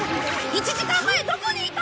１時間前どこにいた！